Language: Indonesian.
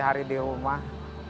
sehari di rumah